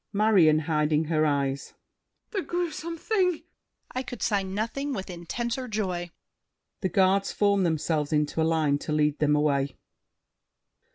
MARION (hiding her eyes). The grewsome thing! DIDIER. I could sign nothing with intenser joy! [The Guards form themselves into a line to lead them away.